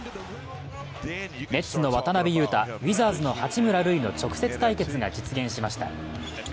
ネッツの渡邊雄太、ウィザーズの八村塁の直接対決が実現しました。